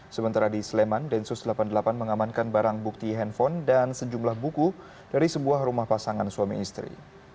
sementara di sleman densus delapan puluh delapan mengamankan barang bukti handphone dan sejumlah buku dari sebuah rumah pasangan suami istri